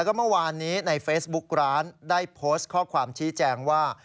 แล้วก็เมื่อวานนี้ในเฟซบุ๊กร้านได้โพสต์ข้อความชี้แจงว่า